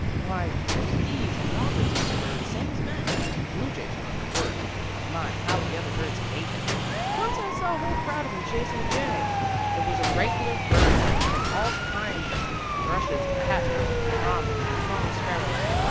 Why, there's thieves and robbers among birds same as men. A blue jay's one of the worst, and my, how the other birds hate him! Once I saw a whole crowd of 'em chasing a jay. It was a reg'lar bird mob, all kinds in it, thrushes and cat birds, and robins, and song sparrows.